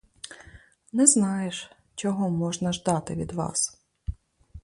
Не знаєш, чого можна ждати від вас.